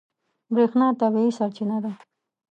برېښنا طبیعي سرچینه ده.